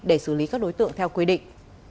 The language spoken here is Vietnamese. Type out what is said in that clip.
để xử lý các đối tượng theo quy định